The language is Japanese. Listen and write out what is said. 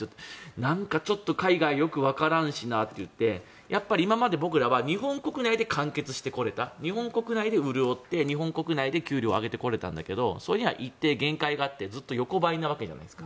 なんか海外よくわからんしなってやっぱり今まで僕らは日本国内で完結してこれた日本国内で潤ってきて日本国内で給料を上げられたんだけどそれには限界があってずっと横ばいじゃないですか。